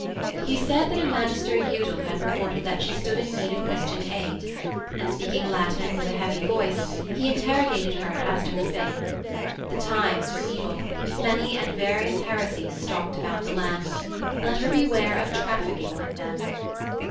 He said that a Magister Udal had reported that she stood in need of Christian aid, and, speaking Latin with a heavy voice, he interrogated her as to her faith. The times were evil: many and various heresies stalked about the land: let her beware of trafficking with them.